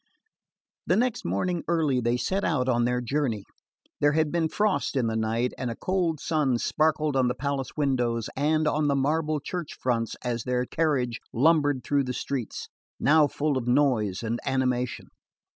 The next morning early they set out on their journey. There had been frost in the night and a cold sun sparkled on the palace windows and on the marble church fronts as their carriage lumbered through the streets, now full of noise and animation.